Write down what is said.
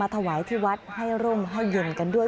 ถวายที่วัดให้ร่มให้เย็นกันด้วย